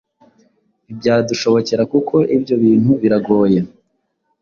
ntibyadushobokera kuko ibyo bintu biragoye